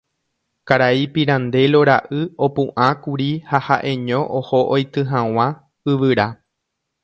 Karai Pirandello ra'y opu'ãkuri ha ha'eño oho oity hag̃ua yvyra.